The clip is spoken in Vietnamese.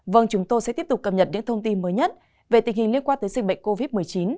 vâng chúng tôi sẽ tiếp tục cập nhật những thông tin mới nhất về tình hình liên quan tới dịch bệnh covid một mươi chín